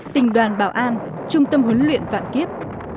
tỉnh đoàn bảo an trung tâm huấn luyện vạn kiếp